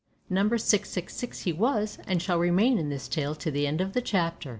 Number 666 he was and shall remain in this tale to the end of the chapter!